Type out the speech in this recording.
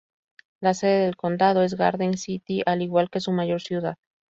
La sede del condado es Garden City, al igual que su mayor ciudad.